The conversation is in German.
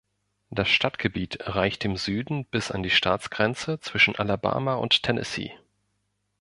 Das Stadtgebiet reicht im Süden bis an die Staatsgrenze zwischen Alabama und Tennessee.